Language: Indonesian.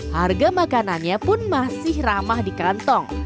harga makanannya pun masih ramah di kerantong